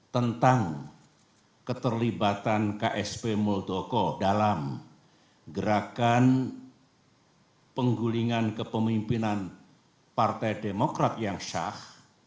tentang keterlibatan ksp muldoko dalam gerakan penggulingan kepemimpinan partai demokrat yang syah